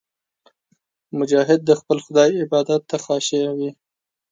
مجاهد د خپل خدای عبادت ته خاشع وي.